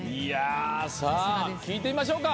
さあ聞いてみましょうか。